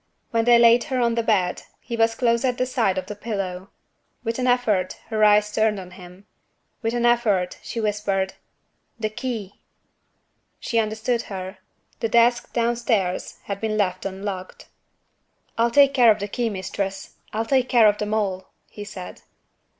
When they laid her on the bed, he was close at the side of the pillow. With an effort, her eyes turned on him. With an effort she whispered, "The Key!" He understood her the desk downstairs had been left unlocked. "I'll take care of the key, Mistress; I'll take care of them all," he said.